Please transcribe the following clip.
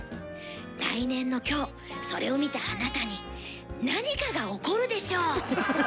来年の今日それを見たあなたに何かが起こるでしょう！